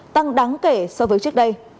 tăng đáng kể so với trước đây